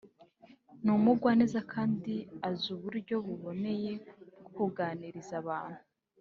ni umugwaneza kandi azi uburyo buboneye bwo kuganiriza abantu